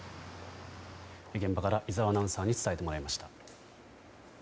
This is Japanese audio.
現場から井澤アナウンサーに伝えてもらいました。